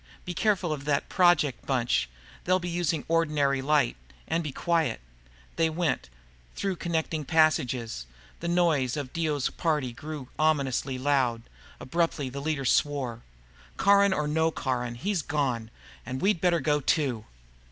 Be careful of that Project bunch they'll be using ordinary light. And be quiet!" They went, through connecting passages. The noise of Dio's party grew ominously loud. Abruptly, the leader swore. "Caron or no Caron, he's gone. And we'd better go, too."